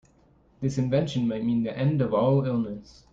This invention might mean the end of all illness.